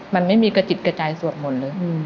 มันไม่มีกระจิตกระใจสวดมนต์เลย